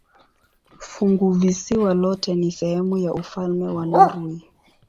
Funguvisiwa lote ni sehemu ya ufalme wa Norwei.